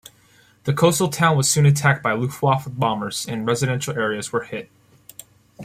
The coastal town was soon attacked by Luftwaffe bombers, and residential areas were hit.